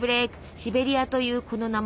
シベリアというこの名前。